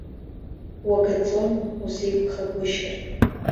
Уагаӡон, узеиқәхагәышьар.